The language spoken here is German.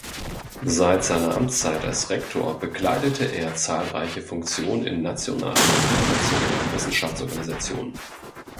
Seit seiner Amtszeit als Rektor bekleidete er zahlreiche Funktionen in nationalen und internationalen Wissenschaftsorganisationen.